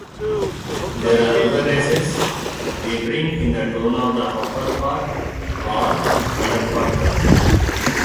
There are other races, differing in the tone of the upperpart or underpart colour.